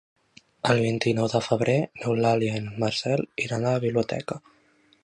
El vint-i-nou de febrer n'Eulàlia i en Marcel iran a la biblioteca.